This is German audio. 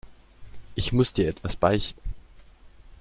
Ich muss dir etwas beichten.